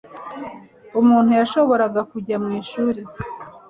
umuntu yashoboraga kujya mwishuri